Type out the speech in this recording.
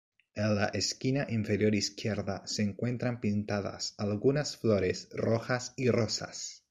En la esquina inferior izquierda se encuentran pintadas algunas flores rojas y rosas.